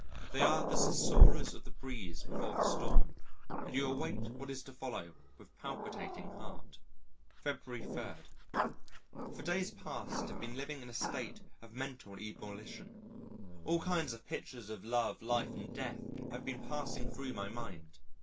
They are the susurrus of the breeze before the storm, and you await what is to follow with palpitating heart. February 3. For days past have been living in a state of mental ebullition. All kinds of pictures of Love, Life, and Death have been passing through my mind.